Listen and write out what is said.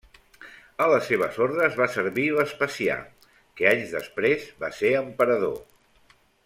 A les seves ordes va servir Vespasià, que anys després va ser emperador.